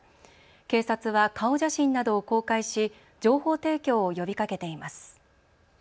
警察は顔写真などを公開し情報提供を呼びかけています。